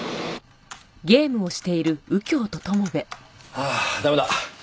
ああ駄目だ。